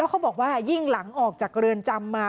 เขาบอกว่ายิ่งหลังออกจากเรือนจำมา